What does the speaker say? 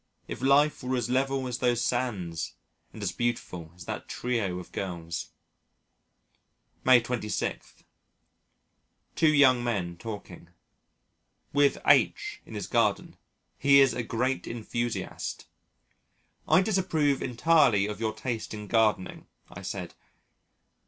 If life were as level as those sands and as beautiful as that trio of girls! May 26. Two Young Men Talking With H in his garden. He is a great enthusiast. "I disapprove entirely of your taste in gardening," I said.